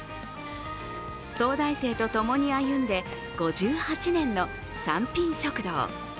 早大生とともに歩んで５８年の三品食堂。